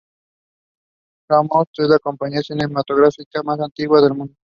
Gaumont es la compañía cinematográfica más antigua del mundo.